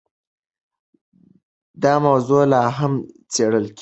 دا موضوع لا هم څېړل کېږي.